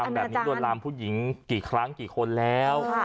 แล้วไปทำแบบนี้โดนรามผู้หญิงกี่ครั้งกี่คนแล้ว